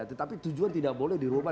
tetapi tujuan tidak boleh dirubah